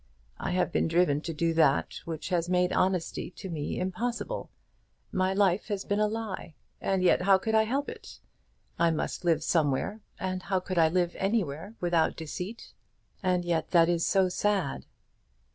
I have been driven to do that which has made honesty to me impossible. My life has been a lie; and yet how could I help it? I must live somewhere, and how could I live anywhere without deceit?" "And yet that is so sad."